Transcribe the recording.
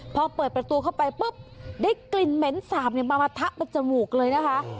พอเปิดประตูเข้าไปปุ๊บได้กลิ่นเหม็นสาบมามาทะเป็นจมูกเลยนะคะ